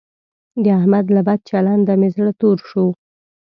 د احمد له بد چلنده مې زړه تور شو.